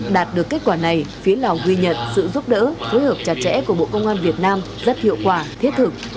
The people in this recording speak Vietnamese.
đạt được kết quả này phía lào ghi nhận sự giúp đỡ phối hợp chặt chẽ của bộ công an việt nam rất hiệu quả thiết thực